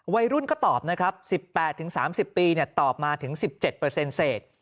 วัยรุ่นก็ตอบนะครับ๑๘๓๐ปีตอบมาถึง๑๗เศษ